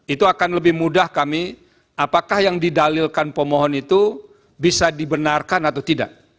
itu akan lebih mudah kami apakah yang didalilkan pemohon itu bisa dibenarkan atau tidak